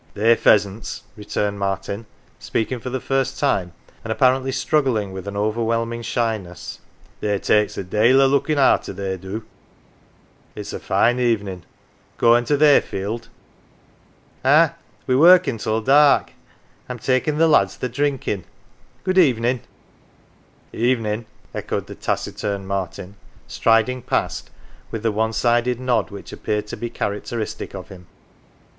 " They pheasants," returned Martin, speaking for the first time, and apparently struggling with an over whelming shyness ;" they takes a dale o 1 looking arter, they do. It's a fine evenin'. Goin' t' th' ''ay field?" " Ah. We're workin' till dark. I'm takin' the lads their drinkin'. Good eveninV " Evenin'," echoed the taciturn Martin, striding past with the one sided nod which appeared to be character istic of him.